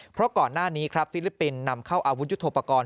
เพราะก่อนหน้านี้ครับฟิลิปปินส์นำเข้าอาวุธยุทธโปรกรณ์